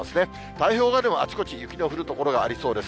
太平洋側でもあちこち、雪の降る所がありそうです。